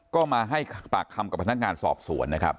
ก็มาให้ปากคำกับพนักงานสอบสวนนะครับ